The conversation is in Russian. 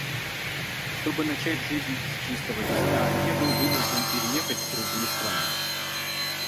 Чтобы начать жизнь с чистого листа, я был вынужден переехать в другую страну.